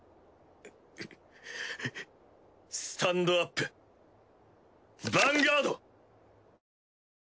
スタンドアップヴァンガード！